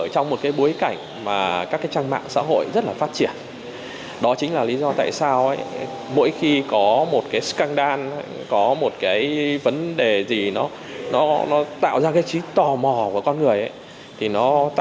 trong một bối cảnh các trang mạng xã hội rất phát triển